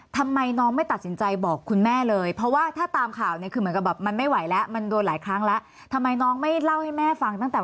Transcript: ทำไมน้องไม่ตัดสินใจบอกคุณแม่เลยเพราะว่าถ้าตามข่าวคือเหมือนกับแบบมันไม่ไหวแล้วมันโดนหลายครั้งแล้ว